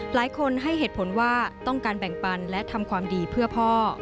หลายคนให้เหตุผลว่าต้องการแบ่งปันและทำความดีเพื่อพ่อ